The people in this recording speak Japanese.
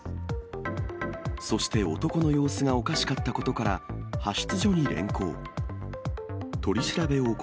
そして、男の様子がおかしかったことから、派出所に連行。